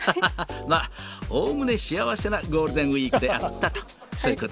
まあ、おおむね幸せなゴールデンウィークであったと、そういうこ